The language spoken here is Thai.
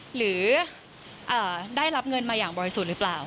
หรือได้รับเงินมาอย่างบริสุทธิ์หรือเปล่า